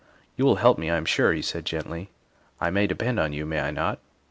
" You will help me, I am sure," he said gently. " I may depend on you, may I not